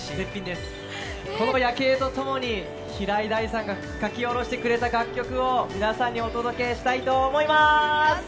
この夜景と共に平井大さんが書き下ろしてくれた楽曲を皆さんにお届けしたいと思いまーす！